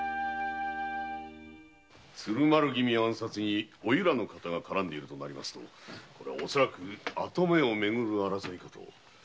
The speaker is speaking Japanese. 鶴丸君暗殺にお由良の方が絡んでいるとなると恐らく跡目をめぐる争いかと。